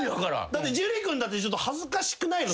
だって樹君だって恥ずかしくないの？